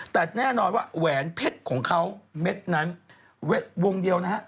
แต่แน่นอนว่าแหวนเพชรของเขาเม็ดนั้นวงเดียวนะฮะ